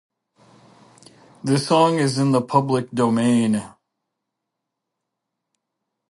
The song is in the public domain.